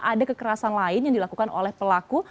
ada kekerasan lain yang dilakukan oleh pelaku